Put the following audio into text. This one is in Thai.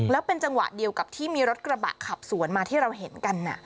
แล้วเป็นจังหวะเดียวกับที่มีรถกระบะขับสวนมาที่เราเห็นกัน